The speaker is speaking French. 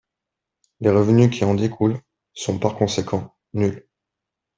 Les revenus qui en découlent sont, par conséquent, nuls.